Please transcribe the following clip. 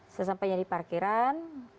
setelah sampai di parkiran